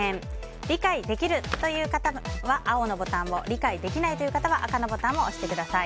理解できるという方は青のボタンを理解できないという方は赤のボタンを押してください。